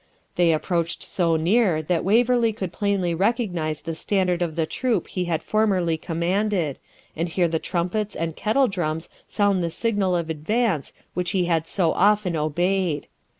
They approached so near that Waverley could plainly recognise the standard of the troop he had formerly commanded, and hear the trumpets and kettle drums sound the signal of advance which he had so often obeyed.